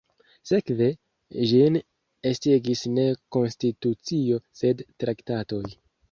Sekve, ĝin estigis ne konstitucio sed traktatoj.